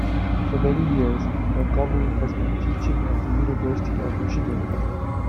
For many years, Montgomery has been teaching at the University of Michigan.